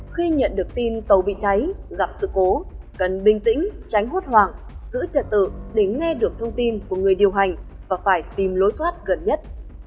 khi nhận được tin tàu bị cháy gặp sự cố cần bình tĩnh tránh hút hoảng giữ trật tự để nghe được thông tin của người điều hành và phải tìm lối thoát gần nhất